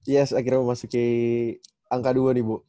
yes akhirnya memasuki angka dua nih bu